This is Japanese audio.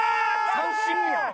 三振やん。